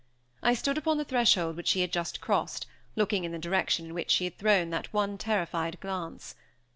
I stood upon the threshold which she had just crossed, looking in the direction in which she had thrown that one terrified glance.